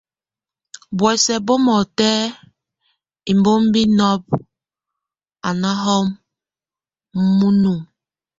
Buɔ́sɛ bomɔtɛ, imbómbi nob, a náho munu.